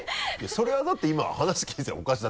それはだって今話聞いてたらおかしい。